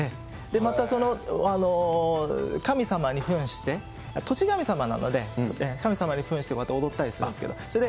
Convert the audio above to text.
またその神様にふんして、土地神様なので、神様にふんしてまた踊ったりするんですけど。